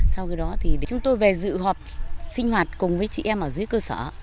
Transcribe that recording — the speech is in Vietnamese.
sau khi đó chúng tôi về dự họp sinh hoạt cùng với chị em ở dưới cơ sở